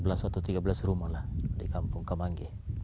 sebelas atau tiga belas rumah lah di kampung kamangi